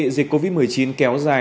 dịch covid một mươi chín kéo dài